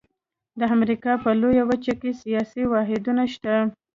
د امریکا په لویه وچه کې سیاسي واحدونه شته.